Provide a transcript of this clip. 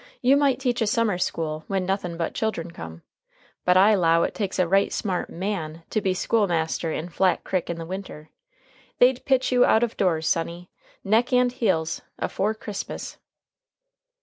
You might teach a summer school, when nothin' but children come. But I 'low it takes a right smart man to be school master in Flat Crick in the winter. They'd pitch you out of doors, sonny, neck and heels, afore Christmas."